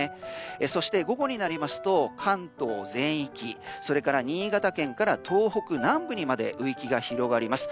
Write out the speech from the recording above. そして、午後になると関東全域それから新潟県か東北南部にまで雨域が広がります。